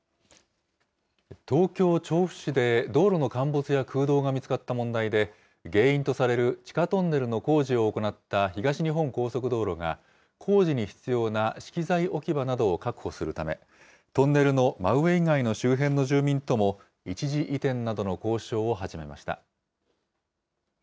東京・調布市で道路の陥没や空洞が見つかった問題で、原因とされる地下トンネルの工事を行った東日本高速道路が、工事に必要な資機材置き場などを確保するため、トンネルの真上以外の周辺の住民とも一時移転などの交渉を始めました。